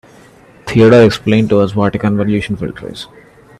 Theodore explained to us what a convolution filter is.